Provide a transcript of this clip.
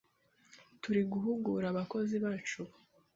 Turi guhugura abakozi bacu ubu